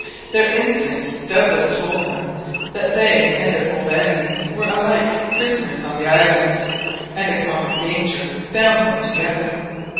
Their instinct doubtless told them that they and their old enemies were alike prisoners on the island, and a common danger bound them together.